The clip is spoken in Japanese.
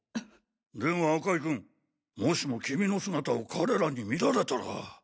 でも赤井君もしも君の姿を組織に見られたら。